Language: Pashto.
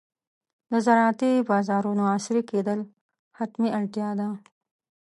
د زراعتي بازارونو عصري کېدل حتمي اړتیا ده.